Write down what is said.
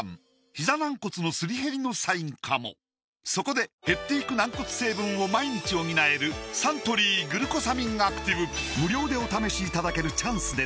ひざ軟骨のすり減りのサインかもそこで減っていく軟骨成分を毎日補える無料でお試しいただけるチャンスです